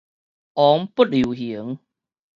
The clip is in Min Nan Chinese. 王不留行